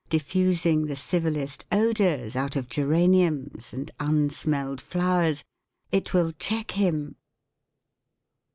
Diffusing the civilest odors Out of geraniums and unsmelled flowers. It will check him.